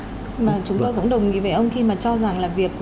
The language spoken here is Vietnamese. mà chúng ta cũng đồng ý với ông khi mà cho rằng là việc